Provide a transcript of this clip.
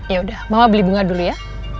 yaudah mama beli bunga dulu ya